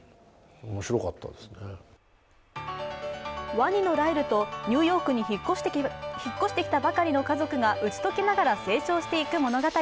ワニのライルとニューヨークに引っ越してきたばかりの家族が打ち解けながら成長していく物語。